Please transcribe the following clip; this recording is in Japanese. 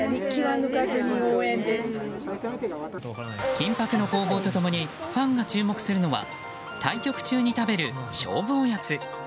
緊迫の攻防と共にファンが注目するのは対局中に食べる勝負おやつ。